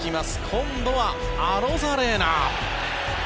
今度はアロザレーナ。